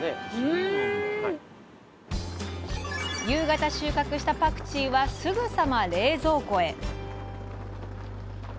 夕方収穫したパクチーはすぐさま冷蔵庫へ！